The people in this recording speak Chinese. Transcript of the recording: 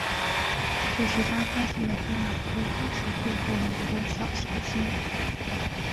这是他发现的第二颗也是最后一颗小行星。